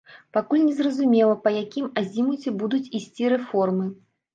Пакуль не зразумела, па якім азімуце будуць ісці рэформы.